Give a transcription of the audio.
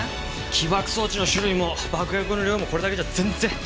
起爆装置の種類も爆薬の量もこれだけじゃ全然。